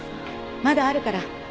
まだあるから。